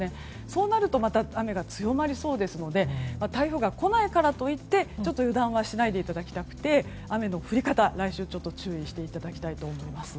そうなると雨が強まりそうですので台風が来ないからといって油断はしないでいただきたくて雨の降り方、来週注意していただきたいと思います。